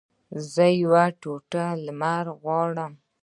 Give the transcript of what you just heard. زه یوه ټوټه د لمر غواړم